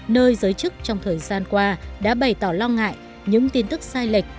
nơi giới chức trong thời gian qua đã bày tỏ lo ngại những tin tức sai lệch